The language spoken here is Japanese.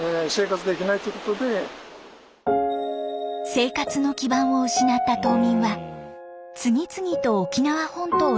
生活の基盤を失った島民は次々と沖縄本島へ移住。